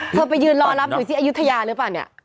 ไปยืนรอรับดูสิอายุทยาหรือเปล่าเนี่ย